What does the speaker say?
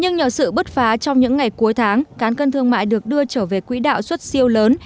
nhưng nhờ sự bứt phá trong những ngày cuối tháng cán cân thương mại được đưa trở về quỹ đạo xuất siêu lớn